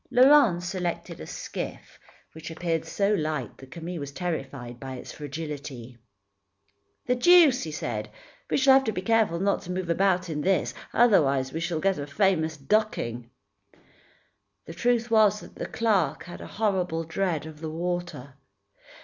Laurent selected a skiff, which appeared so light that Camille was terrified by its fragility. "The deuce," said he, "we shall have to be careful not to move about in this, otherwise we shall get a famous ducking." The truth was that the clerk had a horrible dread of the water.